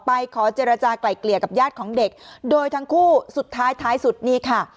ขอเจรจากลายเกลี่ยกับญาติของเด็กโดยทั้งคู่สุดท้ายท้ายสุดนี่ค่ะ